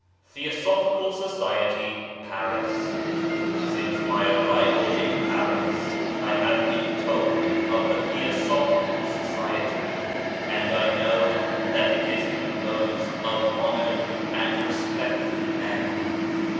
THEOSOPHICAL SOCIETY, PARIS CINCE my arrival in Paris, I have been told of the ^ Theosophical Society, and I know that it is com posed of honoured and respected men.